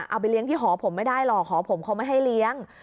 เอาไปเลี้ยงที่หอผมไม่ได้หรอกหอผมเขาไม่ให้เลี้ยง